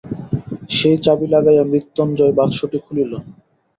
সেই চাবি লাগাইয়া মৃত্যুঞ্জয় বাক্সটি খুলিল।